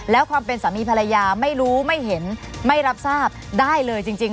แล้วความเป็นสามีภรรยาไม่รู้ไม่เห็นไม่รับทราบได้เลยจริง